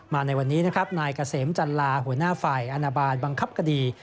ในวันนี้นะครับนายเกษมจันลาหัวหน้าฝ่ายอนาบาลบังคับคดี